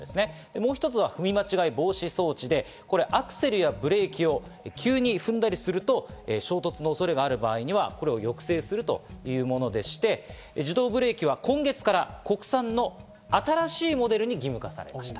もう一つは踏み間違い防止装置でアクセルやブレーキを急に踏んだりすると衝突の恐れがある場合には抑制するというものでして、自動ブレーキは今月から国産の新しいモデルに義務化されました。